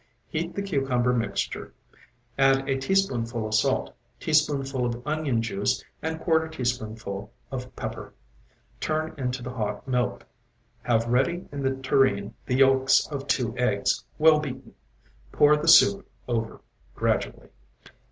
Heat the cucumber mixture; add a teaspoonful of salt, teaspoonful of onion juice and quarter teaspoonful of pepper. Turn into the hot milk. Have ready in the tureen the yolks of two eggs, well beaten. Pour the soup over gradually.